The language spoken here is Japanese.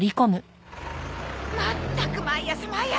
まったく毎朝毎朝。